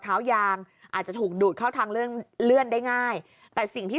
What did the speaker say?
เท้ายางอาจจะถูกดูดเข้าทางเลื่อนได้ง่ายแต่สิ่งที่